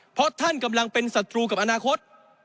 เพราะท่านกำลังเป็นศัตรูกับอนาคต